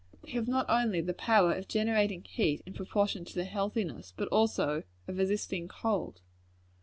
They have not only the power of generating heat in proportion to their healthiness, but also of resisting cold.